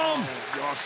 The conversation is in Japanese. よし。